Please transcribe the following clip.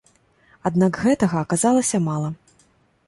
Аднак гэтага аказалася мала.